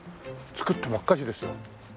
造ったばっかしですよ。